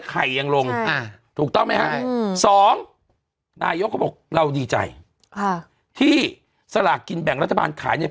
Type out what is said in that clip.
อ้าวไม่คือดีใจไงหนูดีใจ